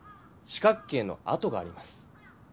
四角形のあとがあります。